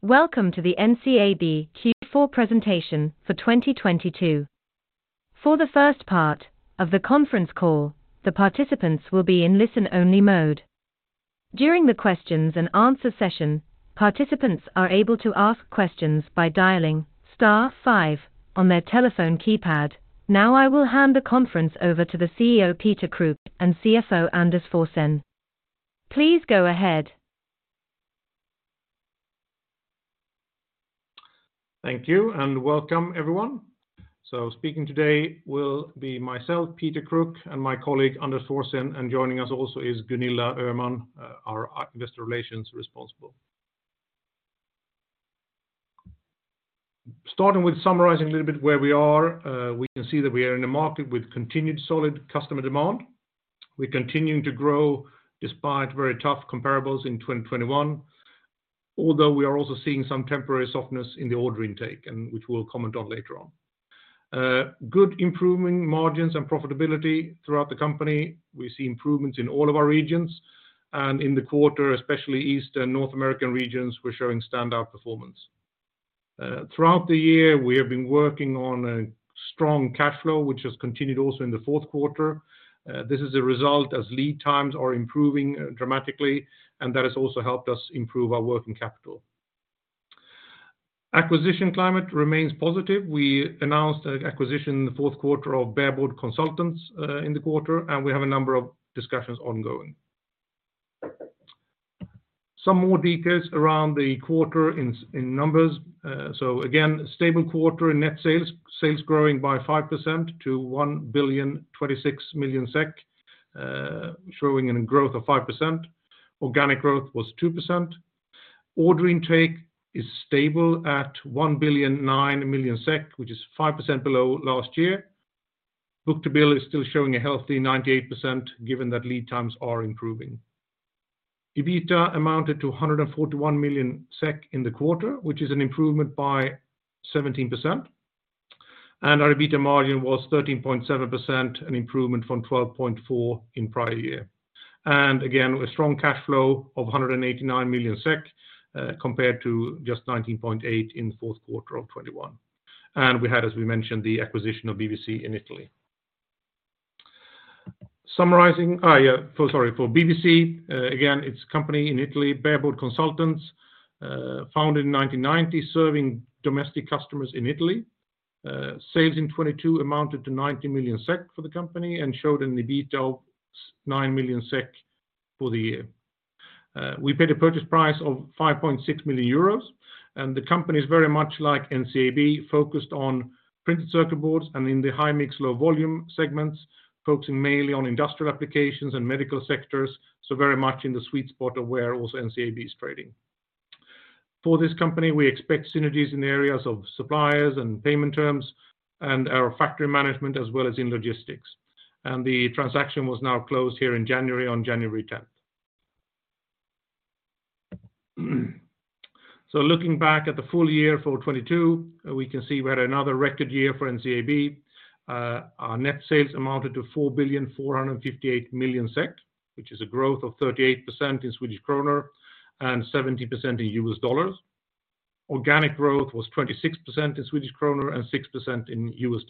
Welcome to the NCAB Q4 presentation for 2022. For the first part of the conference call, the participants will be in listen-only mode. During the questions and answer session, participants are able to ask questions by dialing star five on their telephone keypad. Now I will hand the conference over to the CEO, Peter Kruk, and CFO, Anders Forsén. Please go ahead. Thank you and welcome, everyone. Speaking today will be myself, Peter Kruk, and my colleague, Anders Forsén, and joining us also is Gunilla Öhman, our investor relations responsible. Starting with summarizing a little bit where we are, we can see that we are in a market with continued solid customer demand. We're continuing to grow despite very tough comparables in 2021, although we are also seeing some temporary softness in the order intake and which we'll comment on later on. Good improving margins and profitability throughout the company. We see improvements in all of our regions and in the quarter, especially East and North American regions, we're showing standout performance. Throughout the year, we have been working on a strong cash flow, which has continued also in the fourth quarter. This is a result as lead times are improving dramatically, and that has also helped us improve our working capital. Acquisition climate remains positive. We announced an acquisition in the fourth quarter of Bare Board Consultants in the quarter, we have a number of discussions ongoing. Some more details around the quarter in numbers. Again, stable quarter in net sales. Sales growing by 5% to 1,026 million SEK, showing a growth of 5%. Organic growth was 2%. Order intake is stable at 1,009 million SEK, which is 5% below last year. Book-to-bill is still showing a healthy 98% given that lead times are improving. EBITA amounted to 141 million SEK in the quarter, which is an improvement by 17%. Our EBITA margin was 13.7%, an improvement from 12.4% in prior year. Again, a strong cash flow of 189 million SEK compared to just 19.8 million in the fourth quarter of 2021. We had, as we mentioned, the acquisition of BBC in Italy. Summarizing... Yeah. Sorry. For BBC, again, it's a company in Italy, Bare Board Consultants, founded in 1990, serving domestic customers in Italy. Sales in 2022 amounted to 90 million SEK for the company and showed an EBITA of 9 million SEK for the year. We paid a purchase price of 5.6 million euros, and the company is very much like NCAB, focused on printed circuit boards and in the high-mix, low-volume segments, focusing mainly on industrial applications and medical sectors, so very much in the sweet spot of where also NCAB is trading. For this company, we expect synergies in the areas of suppliers and payment terms and our Factory Management as well as in logistics. The transaction was now closed here in January, on January tenth. Looking back at the full year for 2022, we can see we had another record year for NCAB. Our net sales amounted to 4,458 million SEK, which is a growth of 38% in Swedish krona and 70% in US dollars. Organic growth was 26% in Swedish krona and 6% in US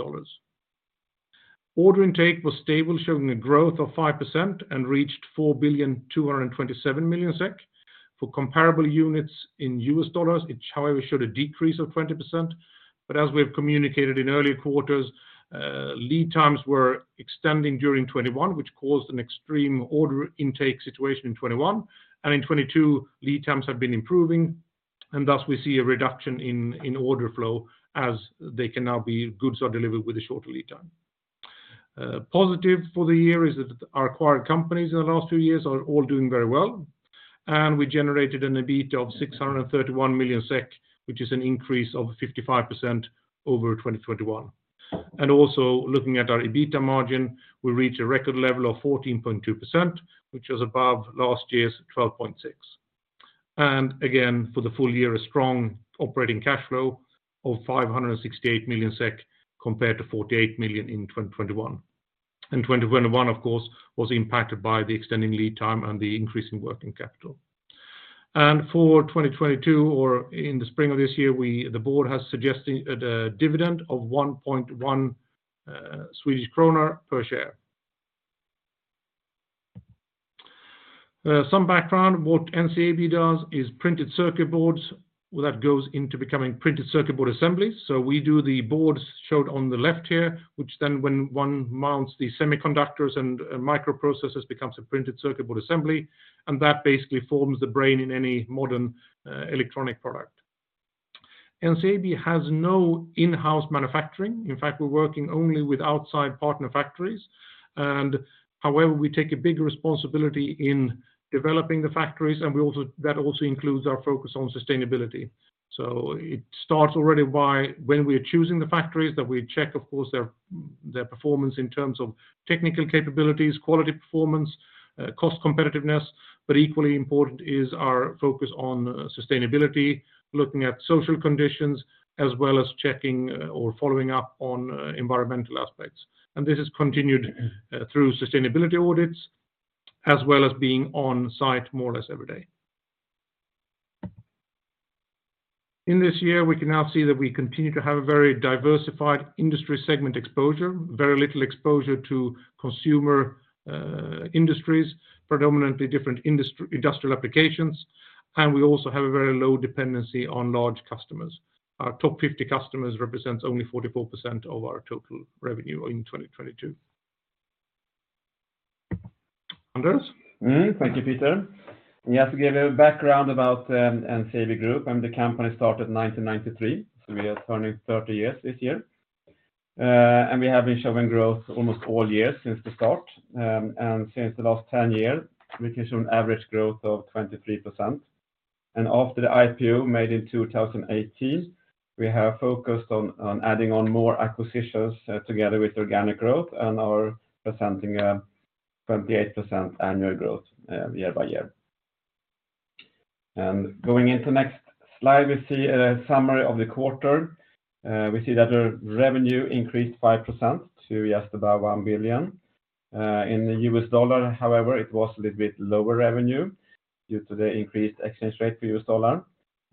dollars. Order intake was stable, showing a growth of 5% and reached 4,227 million SEK. For comparable units in US dollars, it however, showed a decrease of 20%. As we have communicated in earlier quarters, lead times were extending during 2021, which caused an extreme order intake situation in 2021. In 2022, lead times have been improving and thus we see a reduction in order flow as goods are delivered with a shorter lead time. Positive for the year is that our acquired companies in the last two years are all doing very well. We generated an EBIT of 631 million SEK, which is an increase of 55% over 2021. Also looking at our EBITA margin, we reached a record level of 14.2%, which was above last year's 12.6%. Again, for the full year, a strong operating cash flow of 568 million SEK compared to 48 million in 2021. 2021, of course, was impacted by the extending lead time and the increase in working capital. For 2022 or in the spring of this year, we, the board has suggested a dividend of 1.1 Swedish krona per share. Some background. What NCAB does is printed circuit boards. Well, that goes into becoming printed circuit board assemblies. We do the boards showed on the left here, which then when one mounts the semiconductors and microprocessors becomes a printed circuit board assembly, and that basically forms the brain in any modern electronic product. NCAB has no in-house manufacturing. In fact, we're working only with outside partner factories. However, we take a big responsibility in developing the factories, that also includes our focus on sustainability. It starts already when we are choosing the factories that we check, of course, their performance in terms of technical capabilities, quality performance, cost competitiveness, but equally important is our focus on sustainability, looking at social conditions, as well as checking or following up on environmental aspects. This is continued through sustainability audits. As well as being on site more or less every day. In this year, we can now see that we continue to have a very diversified industry segment exposure, very little exposure to consumer industries, predominantly different industrial applications. We also have a very low dependency on large customers. Our top 50 customers represents only 44% of our total revenue in 2022. Anders? Thank you, Peter. Just to give you a background about NCAB Group, the company started 1993. We are turning 30 years this year. We have been showing growth almost all years since the start. Since the last 10 year, we can show an average growth of 23%. After the IPO made in 2018, we have focused on adding on more acquisitions together with organic growth and are presenting a 28% annual growth year by year. Going into next slide, we see a summary of the quarter. We see that our revenue increased 5% to just above 1 billion. In the US dollar, however, it was a little bit lower revenue due to the increased exchange rate for US dollar.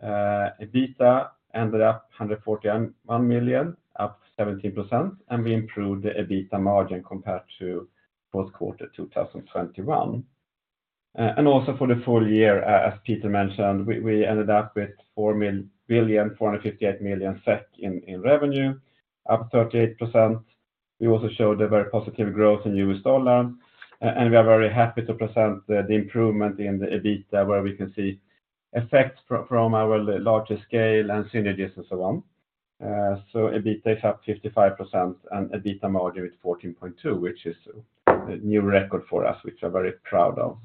EBITDA ended up 141 million, up 17%, and we improved the EBITDA margin compared to fourth quarter 2021. Also for the full year, as Peter mentioned, we ended up with 4 billion, 458 million in revenue, up 38%. We also showed a very positive growth in US dollar. We are very happy to present the improvement in the EBITDA, where we can see effect from our larger scale and synergies and so on. EBITDA is up 55% and EBITDA margin is 14.2%, which is a new record for us, which we're very proud of.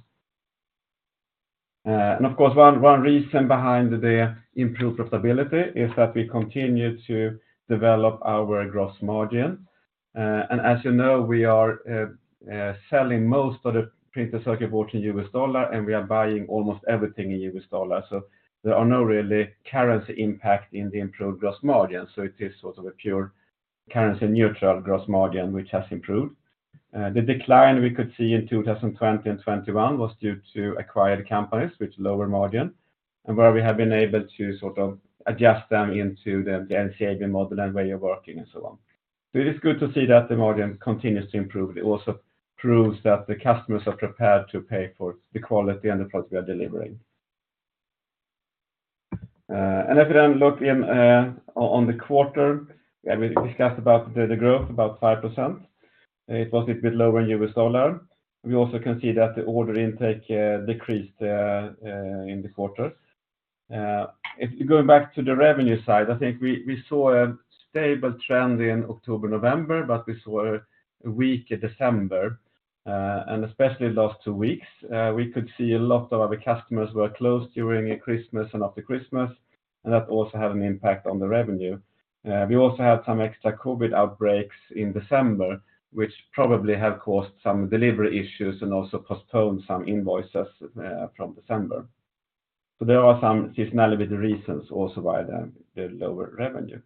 Of course, one reason behind the improved profitability is that we continue to develop our gross margin. As you know, we are selling most of the printed circuit board to US dollar, and we are buying almost everything in US dollar. There are no really currency impact in the improved gross margin, so it is sort of a pure currency neutral gross margin which has improved. The decline we could see in 2020 and 2021 was due to acquired companies with lower margin and where we have been able to sort of adjust them into the NCAB model and way of working and so on. It is good to see that the margin continues to improve. It also proves that the customers are prepared to pay for the quality and the product we are delivering. If you then look on the quarter, we discussed about the growth, about 5%. It was a bit lower in US dollar. We also can see that the order intake decreased in the quarter. If you're going back to the revenue side, I think we saw a stable trend in October, November. We saw a weaker December, especially last two weeks. We could see a lot of our customers were closed during Christmas and after Christmas. That also had an impact on the revenue. We also had some extra COVID outbreaks in December, which probably have caused some delivery issues and also postponed some invoices from December. There are some seasonality reasons also why the lower revenue.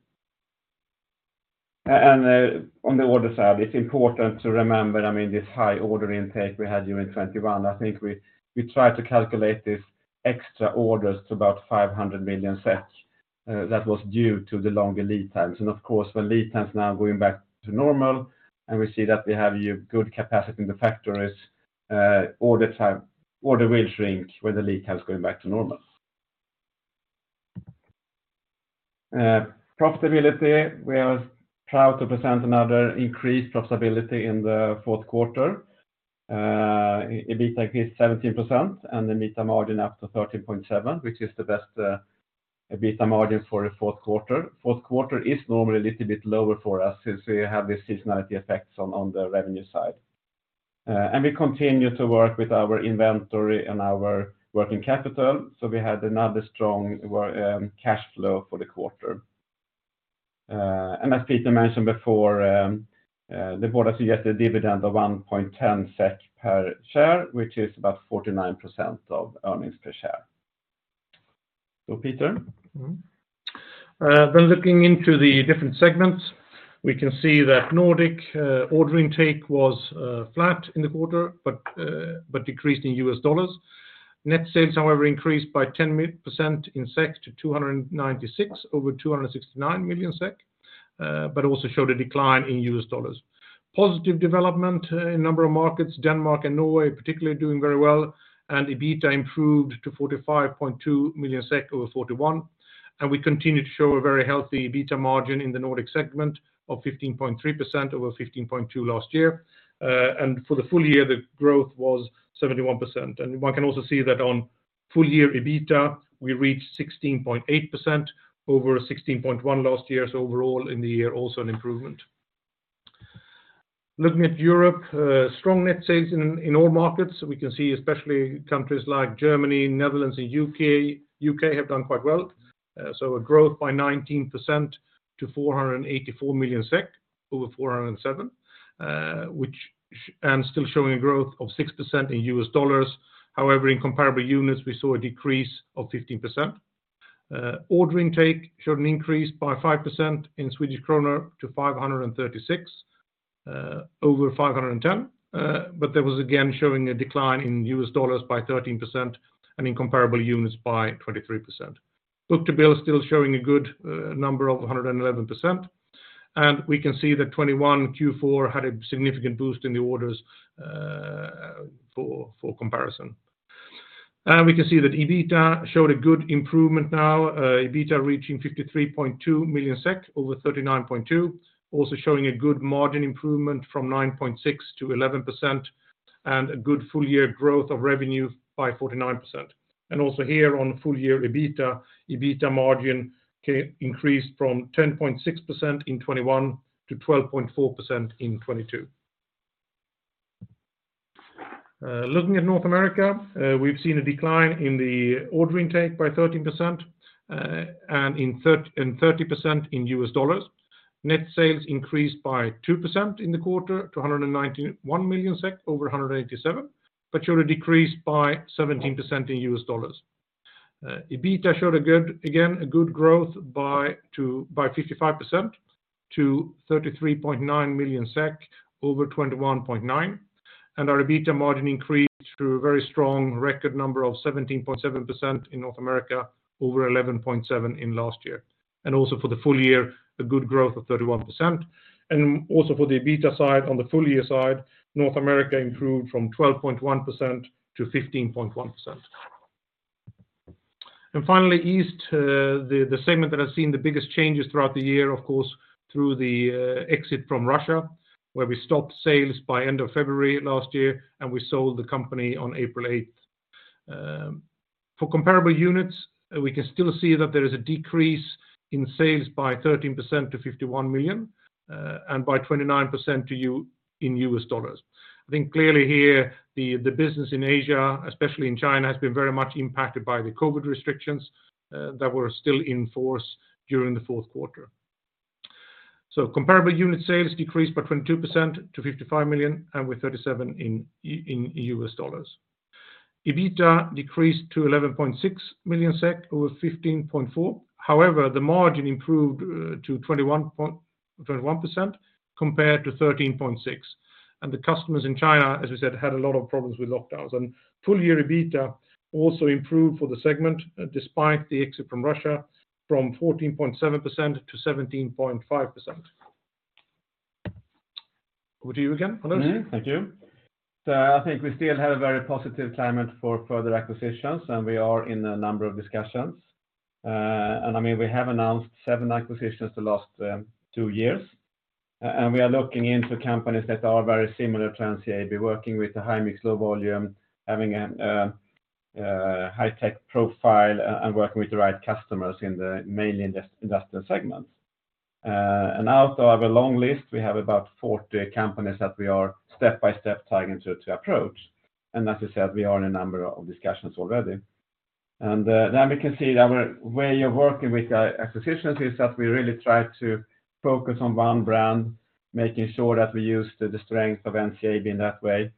On the order side, it's important to remember, I mean, this high order intake we had during 2021, I think we tried to calculate this extra orders to about 500 million that was due to the longer lead times. Of course, when lead time is now going back to normal and we see that we have good capacity in the factories, order will shrink when the lead time is going back to normal. Profitability, we are proud to present another increased profitability in the fourth quarter. EBITDA is 17% and the EBITDA margin up to 13.7, which is the best EBITDA margin for a fourth quarter. Fourth quarter is normally a little bit lower for us since we have the seasonality effects on the revenue side. We continue to work with our inventory and our working capital, so we had another strong cash flow for the quarter. As Peter mentioned before, the board has suggested a dividend of 1.10 SEK per share, which is about 49% of earnings per share. Peter? When looking into the different segments, we can see that Nordic order intake was flat in the quarter, but decreased in US dollars. Net sales, however, increased by 10% in SEK to 296 million over 269 million SEK, but also showed a decline in US dollars. Positive development in a number of markets, Denmark and Norway particularly doing very well, EBITDA improved to 45.2 million SEK over 41 million. We continue to show a very healthy EBITDA margin in the Nordic segment of 15.3% over 15.2% last year. For the full year, the growth was 71%. One can also see that on full year EBITDA, we reached 16.8% over 16.1% last year. Overall in the year, also an improvement. Looking at Europe, strong net sales in all markets. We can see especially countries like Germany, Netherlands and U.K. U.K. have done quite well. A growth by 19% to 484 million SEK over 407 million, which and still showing a growth of 6% in US dollars. However, in comparable units, we saw a decrease of 15%. Order intake showed an increase by 5% in Swedish krona to 536 million over 510 million. That was again showing a decline in US dollars by 13% and in comparable units by 23%. Book-to-bill still showing a good number of 111%. We can see that 2021 Q4 had a significant boost in the orders for comparison. We can see that EBITA showed a good improvement now. EBITA reaching 53.2 million SEK over 39.2 million. Also showing a good margin improvement from 9.6%-11%, and a good full year growth of revenue by 49%. Also here on full year EBITA margin increased from 10.6% in 2021 to 12.4% in 2022. Looking at North America, we've seen a decline in the order intake by 13%, and 30% in US dollars. Net sales increased by 2% in the quarter to 191 million SEK over 187 million, but showed a decrease by 17% in US dollars. EBITA showed a good, again, a good growth by 55% to 33.9 million SEK over 21.9 million. Our EBITA margin increased to a very strong record number of 17.7% in North America over 11.7% in last year. Also for the full year, a good growth of 31%. Also for the EBITA side, on the full year side, North America improved from 12.1%-15.1%. Finally, East, the segment that has seen the biggest changes throughout the year, of course, through the exit from Russia, where we stopped sales by end of February last year, and we sold the company on April 8th. For comparable units, we can still see that there is a decrease in sales by 13% to $51 million and by 29% in US dollars. I think clearly here, the business in Asia, especially in China, has been very much impacted by the COVID restrictions that were still in force during the fourth quarter. Comparable unit sales decreased by 22% to $55 million and with 37% in dollars. EBITA decreased to 11.6 million SEK over 15.4 million. However, the margin improved to 21% compared to 13.6%. The customers in China, as we said, had a lot of problems with lockdowns. Full year EBITA also improved for the segment despite the exit from Russia from 14.7%-7.5%. Over to you again, Anders. Thank you. I think we still have a very positive climate for further acquisitions, and we are in a number of discussions. I mean, we have announced seven acquisitions the last two years. We are looking into companies that are very similar to NCAB, working with the high-mix, low-volume, having a high tech profile and working with the right customers in the mainly industrial segments. Out of our long list, we have about 40 companies that we are step-by-step targeting to approach. As I said, we are in a number of discussions already. We can see our way of working with acquisitions is that we really try to focus on one brand, making sure that we use the strength of NCAB in that way.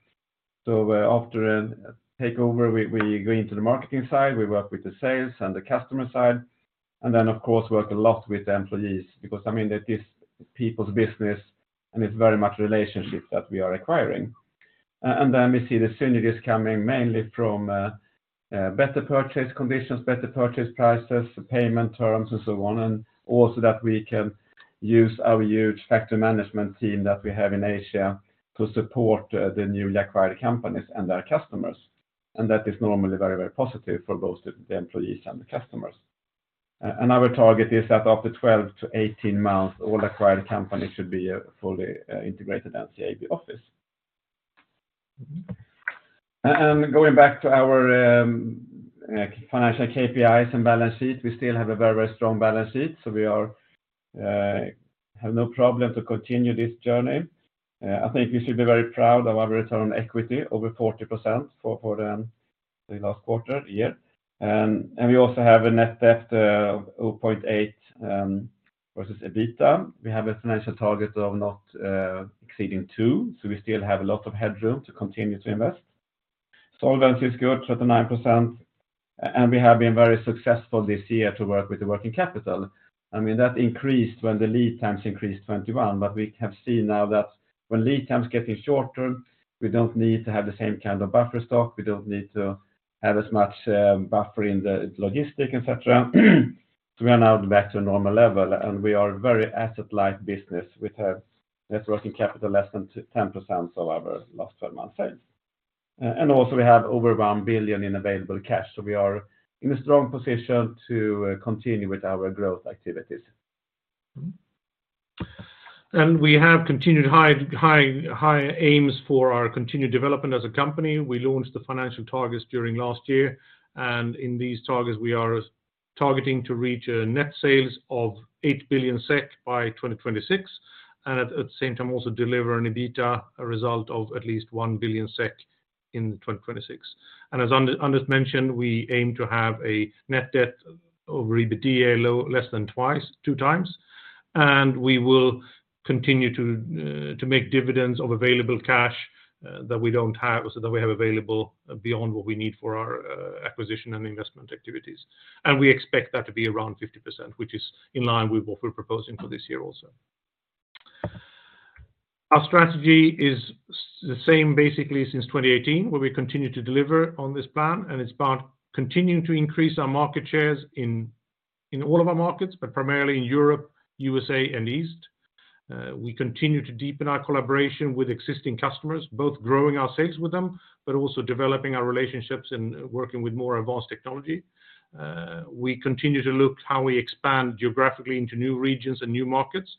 After a takeover, we go into the marketing side, we work with the sales and the customer side, and then of course, work a lot with the employees because, I mean, that is people's business and it's very much relationships that we are acquiring. Then we see the synergies coming mainly from better purchase conditions, better purchase prices, payment terms and so on. Also that we can use our huge Factory Management team that we have in Asia to support the newly acquired companies and their customers. That is normally very positive for both the employees and the customers. Our target is that after 12-18 months, all acquired companies should be a fully integrated NCAB office. Mm-hmm. Going back to our financial KPIs and balance sheet, we still have a very, very strong balance sheet, so we have no problem to continue this journey. I think we should be very proud of our return on equity, over 40% for the last quarter, year. We also have a net debt of 0.8 versus EBITA. We have a financial target of not exceeding two, so we still have a lot of headroom to continue to invest. Solvency is good, 39%. We have been very successful this year to work with the working capital. I mean, that increased when the lead times increased 2021. We have seen now that when lead times getting shorter, we don't need to have the same kind of buffer stock. We don't need to have as much buffer in the logistic, et cetera, to run out back to a normal level. We are very asset light business with our net working capital less than 10% of our last 12-month sales. Also, we have over 1 billion in available cash, so we are in a strong position to continue with our growth activities. Mm-hmm. We have continued high aims for our continued development as a company. We launched the financial targets during last year, in these targets we are targeting to reach a net sales of 8 billion SEK by 2026, and at the same time also deliver an EBITA result of at least 1 billion SEK in 2026. As Anders mentioned, we aim to have a net debt over EBITDA low, less than 2x. We will continue to make dividends of available cash that we have available beyond what we need for our acquisition and investment activities. We expect that to be around 50%, which is in line with what we're proposing for this year also. Our strategy is the same basically since 2018, where we continue to deliver on this plan. It's about continuing to increase our market shares in all of our markets, but primarily in Europe, U.S.A. and East. We continue to deepen our collaboration with existing customers, both growing our sales with them but also developing our relationships and working with more advanced technology. We continue to look how we expand geographically into new regions and new markets.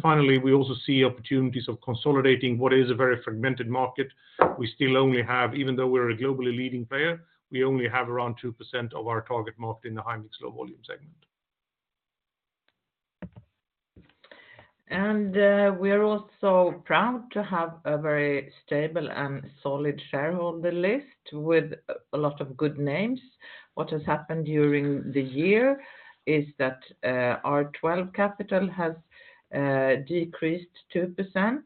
Finally, we also see opportunities of consolidating what is a very fragmented market. We still only have. Even though we're a globally leading player, we only have around 2% of our target market in the high-mix, low-volume segment. We are also proud to have a very stable and solid shareholder list with a lot of good names. What has happened during the year is that R12 Kapital has decreased 2%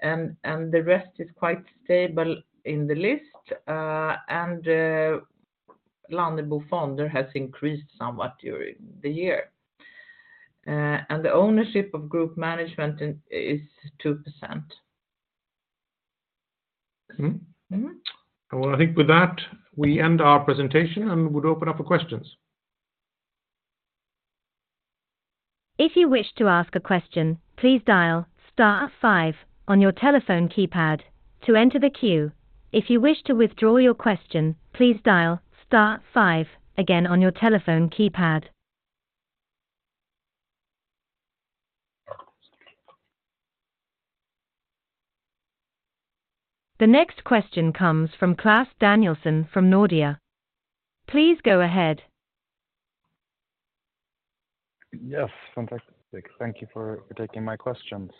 and the rest is quite stable in the list. Lannebo Fonder has increased somewhat during the year. The ownership of group management is 2%. Mm-hmm. Mm-hmm. Well, I think with that, we end our presentation, and we'd open up for questions. If you wish to ask a question, please dial star five on your telephone keypad to enter the queue. If you wish to withdraw your question, please dial star five again on your telephone keypad. The next question comes from Claes Danielsson from Nordea. Please go ahead. Yes, fantastic. Thank you for taking my questions.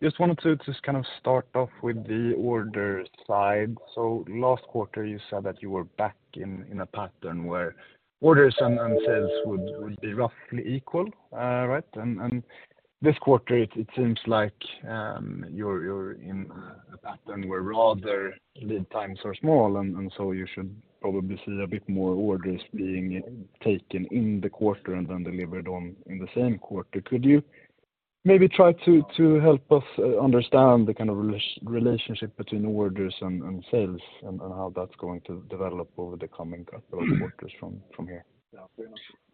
Just wanted to just kind of start off with the order side. Last quarter, you said that you were back in a pattern where orders and sales would be roughly equal, right? This quarter it seems like you're in a pattern where rather lead times are small, and so you should probably see a bit more orders being taken in the quarter and then delivered on in the same quarter. Could you maybe try to help us understand the kind of relationship between orders and sales and how that's going to develop over the coming couple of quarters from here?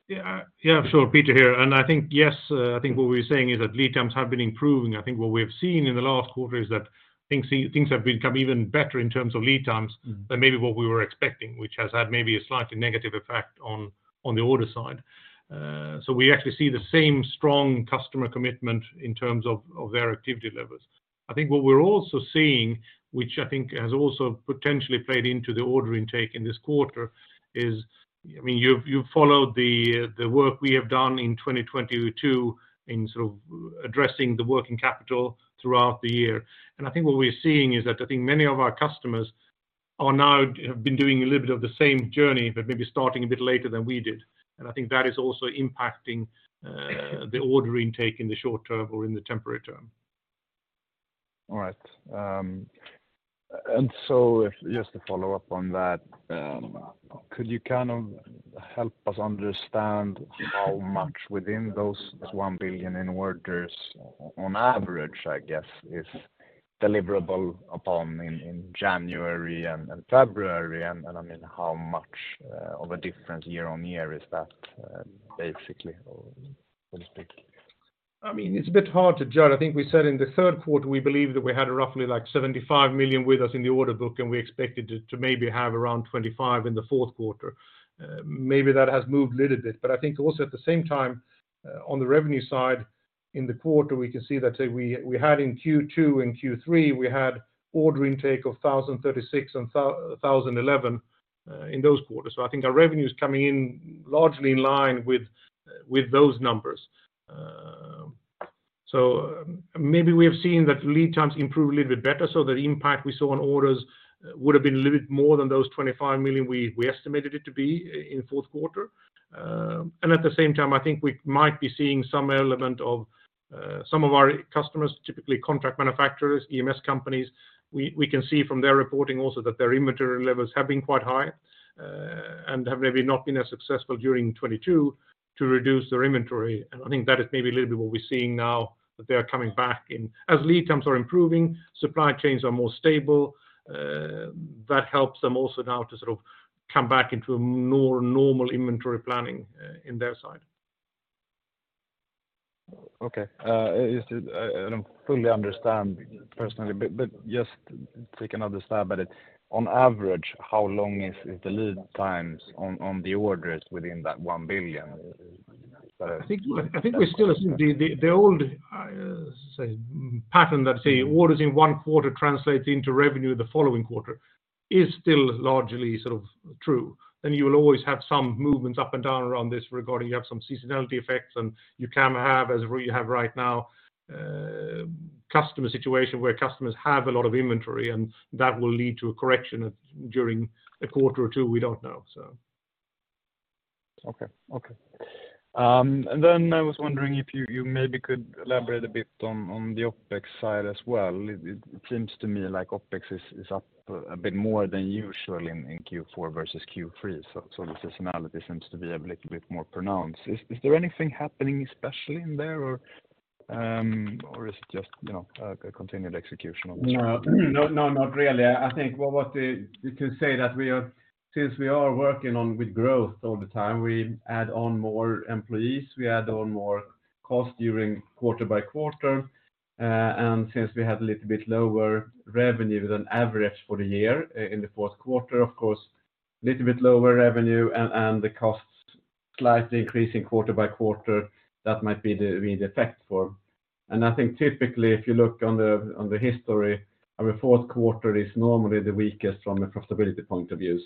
Yeah. Yeah, sure. Peter here. I think, yes, I think what we're saying is that lead times have been improving. I think what we have seen in the last quarter is that things have become even better in terms of lead times than maybe what we were expecting, which has had maybe a slightly negative effect on the order side. We actually see the same strong customer commitment in terms of their activity levels. I think what we're also seeing, which I think has also potentially played into the order intake in this quarter, is, I mean, you've followed the work we have done in 2022, in sort of addressing the working capital throughout the year. I think what we're seeing is that I think many of our customers have been doing a little bit of the same journey, but maybe starting a bit later than we did. I think that is also impacting the order intake in the short term or in the temporary term. All right. Just to follow up on that, could you kind of help us understand how much within those 1 billion in orders on average, I guess, is deliverable upon in January and February? I mean, how much of a difference year-on-year is that basically or so to speak? I mean, it's a bit hard to judge. I think we said in the third quarter, we believe that we had roughly like 75 million with us in the order book, and we expected to maybe have around 25 million in the fourth quarter. Maybe that has moved a little bit. I think also at the same time, on the revenue side in the quarter, we can see that we had in Q2 and Q3, we had order intake of 1,036 and 1,011 in those quarters. I think our revenue is coming in largely in line with those numbers. Maybe we have seen that lead times improve a little bit better, so the impact we saw on orders would have been a little bit more than those 25 million we estimated it to be in fourth quarter. At the same time, I think we might be seeing some element of some of our customers, typically contract manufacturers, EMS companies, we can see from their reporting also that their inventory levels have been quite high, and have maybe not been as successful during 2022 to reduce their inventory. I think that is maybe a little bit what we're seeing now that they are coming back in. As lead times are improving, supply chains are more stable, that helps them also now to sort of come back into a normal inventory planning in their side. Okay. I don't fully understand personally, but just so we can understand better, on average how long is the lead times on the orders within that 1 billion? I think we. The old, say, pattern that, say, orders in one quarter translates into revenue the following quarter is still largely sort of true. You will always have some movements up and down around this regarding you have some seasonality effects, and you can have, as we have right now, customer situation where customers have a lot of inventory, and that will lead to a correction during a quarter or two, we don't know. Okay. Okay. I was wondering if you maybe could elaborate a bit on the OpEx side as well. It seems to me like OpEx is up a bit more than usual in Q4 versus Q3. The seasonality seems to be a little bit more pronounced. Is there anything happening especially in there or is it just, you know, a continued execution of the strategy? No, no, not really. I think what was. You can say that since we are working on with growth all the time, we add on more employees, we add on more cost during quarter by quarter. Since we had a little bit lower revenue than average for the year in the fourth quarter, of course, little bit lower revenue and the costs slightly increasing quarter by quarter, that might be the effect for. I think typically, if you look on the history, our fourth quarter is normally the weakest from a profitability point of view.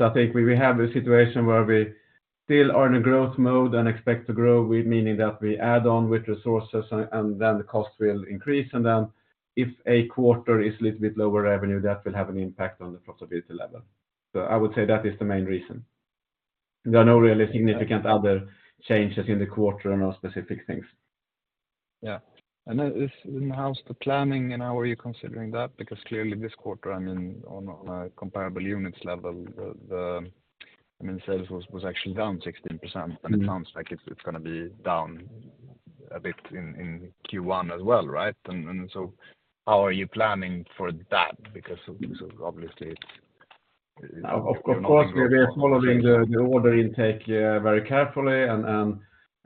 I think we will have a situation where we still are in a growth mode and expect to grow, meaning that we add on with resources and then the cost will increase. If a quarter is little bit lower revenue, that will have an impact on the profitability level. I would say that is the main reason. There are no really significant other changes in the quarter and no specific things. Yeah. Then this enhances the planning and how are you considering that? Because clearly this quarter, I mean, on a, on a comparable units level, the, I mean, sales was actually down 16%. Mm-hmm. It sounds like it's going to be down a bit in Q1 as well, right? How are you planning for that? Because obviously it's Of course, we are following the order intake very carefully and,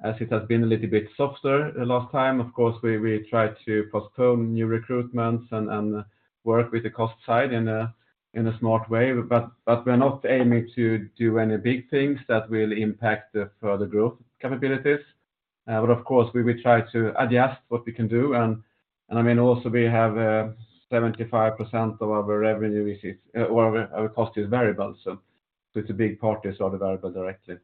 as it has been a little bit softer the last time, of course, we try to postpone new recruitments and work with the cost side in a smart way. We're not aiming to do any big things that will impact the further growth capabilities. Of course, we try to adjust what we can do. I mean, also we have 75% of our revenue is or our cost is variable, so it's a big part is our variable directly.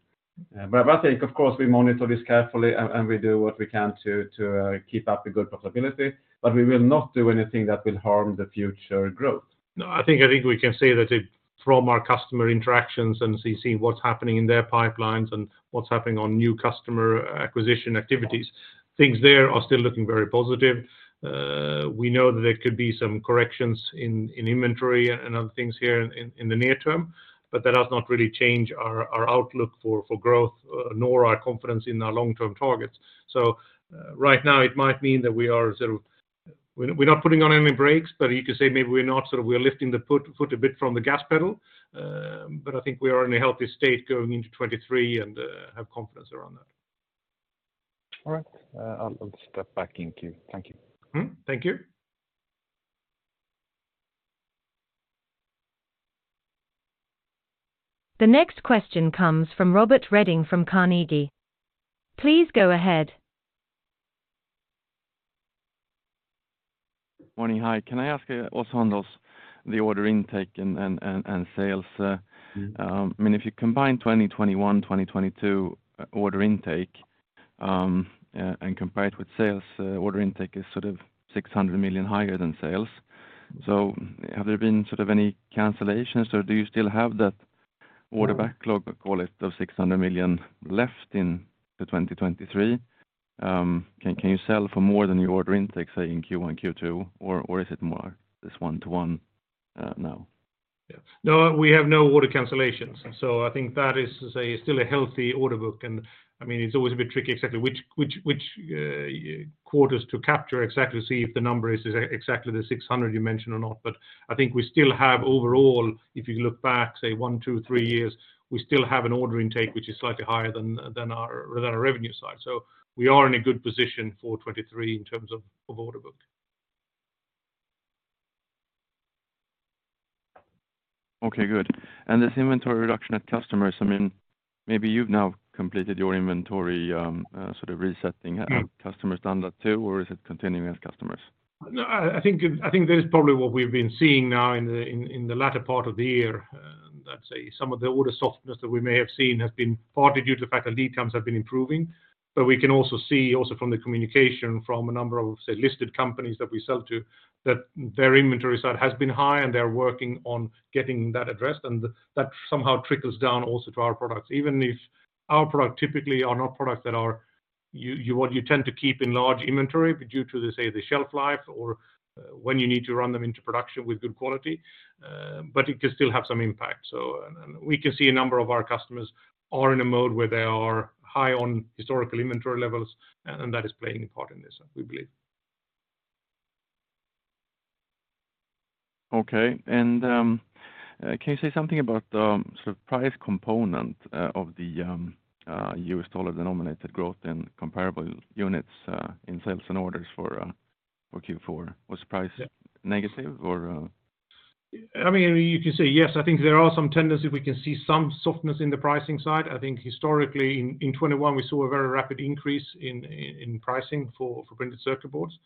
I think of course, we monitor this carefully and we do what we can to keep up a good profitability, but we will not do anything that will harm the future growth. I think we can say that it. From our customer interactions and seeing what's happening in their pipelines and what's happening on new customer acquisition activities, things there are still looking very positive. We know that there could be some corrections in inventory and other things here in the near term, but that has not really changed our outlook for growth, nor our confidence in our long-term targets. Right now it might mean that we are sort of. We're not putting on any breaks, but you could say maybe we're not sort of. We're lifting the foot a bit from the gas pedal. I think we are in a healthy state going into 2023 and have confidence around that. All right. I'll step back in queue. Thank you. Mm-hmm. Thank you. The next question comes from Robert Redin from Carnegie. Please go ahead. Morning. Hi. Can I ask you what handles the order intake and sales? Mm-hmm... I mean, if you combine 2021, 2022 order intake, and compare it with sales, order intake is sort of 600 million higher than sales. Have there been sort of any cancellations or do you still have that order backlog, call it, of 600 million left into 2023? Can you sell for more than your order intake, say, in Q1, Q2, or is it more this one to one now? Yeah. No, we have no order cancellations. I think that is, say, still a healthy order book. I mean, it's always a bit tricky exactly which quarters to capture exactly to see if the number is exactly the 600 you mentioned or not. I think we still have overall, if you look back, say, one, two, three years, we still have an order intake which is slightly higher than our revenue side. We are in a good position for 2023 in terms of order book. Okay, good. This inventory reduction at customers, I mean, maybe you've now completed your inventory, sort of resetting. Yeah. Have customers done that too or is it continuing as customers? No, I think that is probably what we've been seeing now in the latter part of the year. Let's say some of the order softness that we may have seen has been partly due to the fact that lead times have been improving. We can also see also from the communication from a number of, say, listed companies that we sell to, that their inventory side has been high and they're working on getting that addressed and that somehow trickles down also to our products. Even if our product typically are not products that are you tend to keep in large inventory due to the, say, the shelf life or when you need to run them into production with good quality, but it can still have some impact. We can see a number of our customers are in a mode where they are high on historical inventory levels, and that is playing a part in this, we believe. Okay. Can you say something about the sort of price component of the US dollar denominated growth in comparable units in sales and orders for Q4? Was price negative or...? I mean, you can say yes. I think there are some tendency. We can see some softness in the pricing side. I think historically in 2021, we saw a very rapid increase in pricing for printed circuit boards.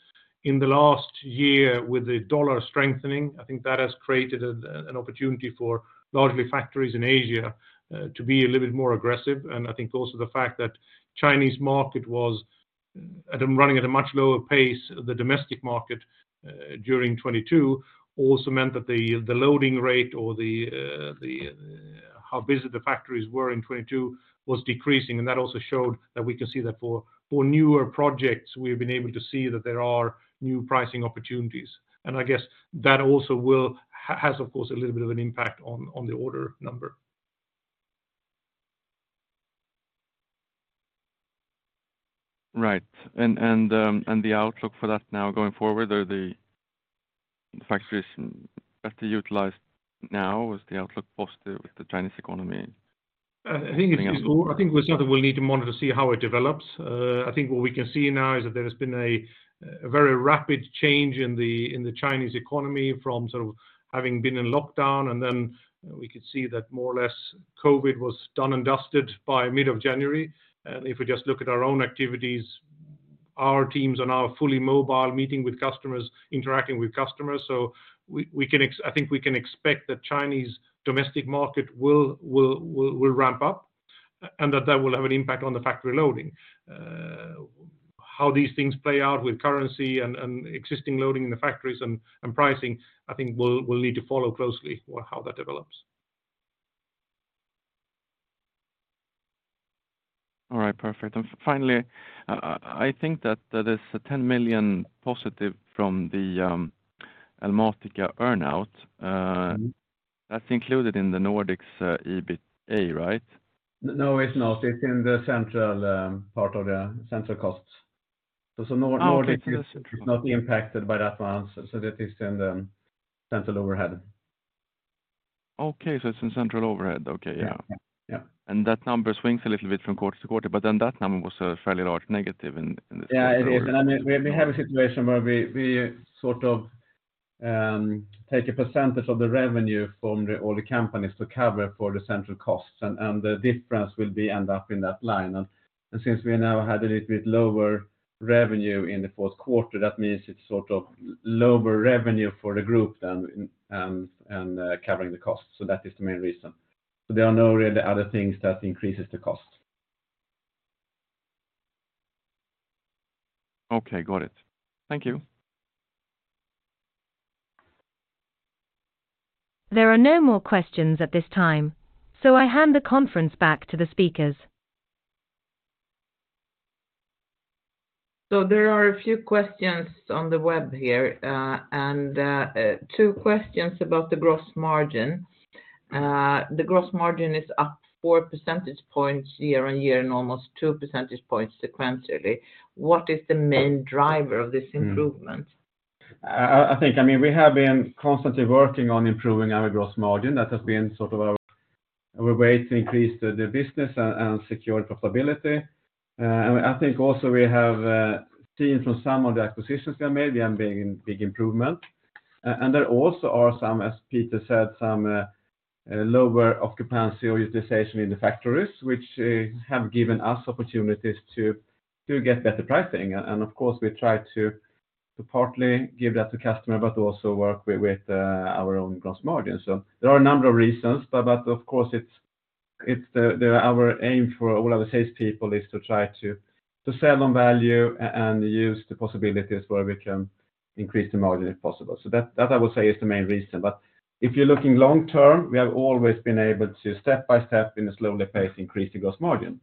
In the last year with the dollar strengthening, I think that has created an opportunity for largely factories in Asia to be a little bit more aggressive. I think also the fact that Chinese market was at running at a much lower pace, the domestic market during 2022 also meant that the loading rate or how busy the factories were in 2022 was decreasing. That also showed that we can see that for newer projects, we've been able to see that there are new pricing opportunities. I guess that also has of course a little bit of an impact on the order number. Right. The outlook for that now going forward, are the factories better utilized now? Is the outlook positive with the Chinese economy? I think it's something we'll need to monitor to see how it develops. I think what we can see now is that there has been a very rapid change in the Chinese economy from sort of having been in lockdown, and then we could see that more or less COVID was done and dusted by mid-January. If we just look at our own activities, our teams are now fully mobile, meeting with customers, interacting with customers. I think we can expect the Chinese domestic market will ramp up, and that will have an impact on the factory loading. How these things play out with currency and existing loading in the factories and pricing, I think we'll need to follow closely on how that develops. All right, perfect. Finally, I think that there's a 10 million positive from the Elmatica earn-out. Mm-hmm that's included in the Nordics, EBITA, right? No, it's not. It's in the central part of the central costs. So the Nordic. Okay is not impacted by that one, so that is in the central overhead. Okay, it's in central overhead. Okay, yeah. Yeah. Yeah. That number swings a little bit from quarter to quarter, but then that number was a fairly large negative in the first quarter. Yeah, it is. I mean, we have a situation where we sort of take a percentage of the revenue from the, all the companies to cover for the central costs. The difference will be end up in that line. Since we now had a little bit lower revenue in the fourth quarter, that means it's sort of lower revenue for the group than covering the cost. That is the main reason. There are no really other things that increases the cost. Okay, got it. Thank you. There are no more questions at this time, I hand the conference back to the speakers. There are a few questions on the web here, two questions about the gross margin. The gross margin is up 4 percentage points year-on-year and almost 2 percentage points sequentially. What is the main driver of this improvement? I think, I mean, we have been constantly working on improving our gross margin. That has been sort of our way to increase the business and secure profitability. I think also we have seen from some of the acquisitions that maybe I'm being big improvement. There also are some, as Peter said, some lower occupancy or utilization in the factories, which have given us opportunities to get better pricing. Of course, we try to partly give that to customer, but also work with our own gross margin. There are a number of reasons, but of course, it's our aim for all of the sales people is to try to sell on value and use the possibilities where we can increase the margin if possible. That I would say is the main reason. But if you're looking long term, we have always been able to step by step in a slowly pace increase the gross margin.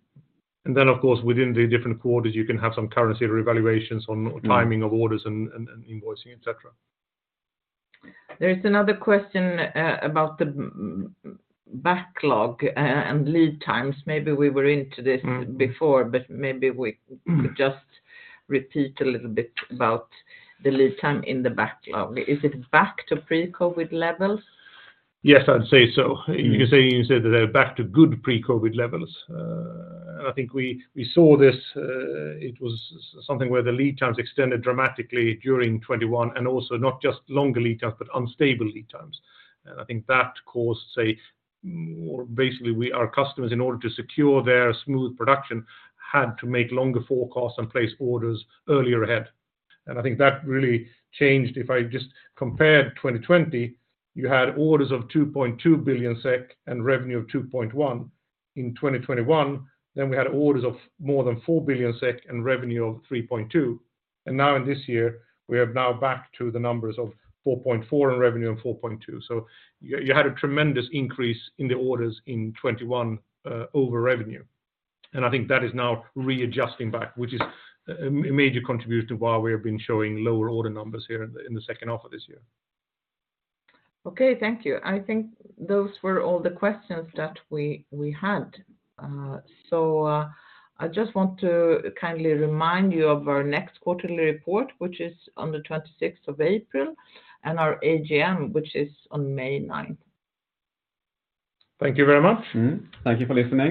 Of course, within the different quarters, you can have some currency revaluations on timing of orders and invoicing, et cetera. There is another question about the backlog and lead times. Maybe we were into this before, but maybe we could just repeat a little bit about the lead time in the backlog. Is it back to pre-COVID levels? Yes, I'd say so. You can say that they're back to good pre-COVID levels. I think we saw this, it was something where the lead times extended dramatically during 2021, and also not just longer lead times, but unstable lead times. I think that caused basically our customers, in order to secure their smooth production, had to make longer forecasts and place orders earlier ahead. I think that really changed. If I just compared 2020, you had orders of 2.2 billion SEK and revenue of 2.1 billion. In 2021, then we had orders of more than 4 billion SEK and revenue of 3.2 billion. Now in this year, we are now back to the numbers of 4.4 billion in revenue and 4.2 billion. You had a tremendous increase in the orders in 2021 over revenue. I think that is now readjusting back, which is a major contributor to why we have been showing lower order numbers here in the second half of this year. Okay, thank you. I think those were all the questions that we had. I just want to kindly remind you of our next quarterly report, which is on the 26th of April, and our AGM, which is on May 9th. Thank you very much. Mm-hmm. Thank you for listening.